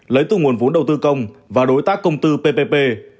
lấy từ nguồn vốn đầu tư công và đối tác công tư ppp